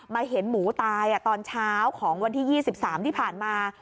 เห็นหมูตายตอนเช้าของวันที่๒๓ที่ผ่านมา